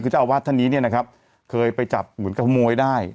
คือจะเอาวาทนี้เนี้ยนะครับเคยไปจับเหมือนกระโมยได้